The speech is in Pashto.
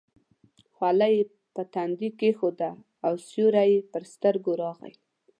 خولۍ یې پر تندي کېښوده او سیوری یې پر سترګو راغی.